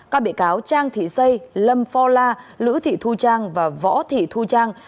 các bị cáo trang thị xây lâm pho la lữ thị thu trang và võ thị thu trang